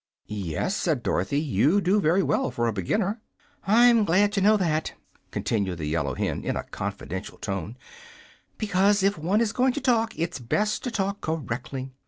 "Yes," said Dorothy, "you do very well, for a beginner." "I'm glad to know that," continued the yellow hen, in a confidential tone; "because, if one is going to talk, it's best to talk correctly.